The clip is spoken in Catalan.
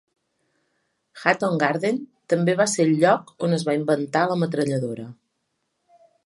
Hatton Garden també va ser el lloc on es va inventar la metralladora.